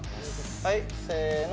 はいせーの。